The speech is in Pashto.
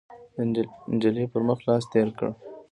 ، نجلۍ پر مخ لاس تېر کړ،